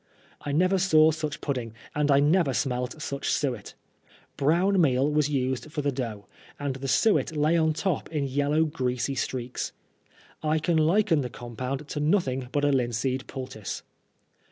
I never saw such pudding, and I never smelt such suet. Brown meal was used for the dough, and the suet lay on the top in yellow greasy streak. I can liken the compound to nothing but a linseed poultice.